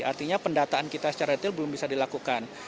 artinya pendataan kita secara detail belum bisa dilakukan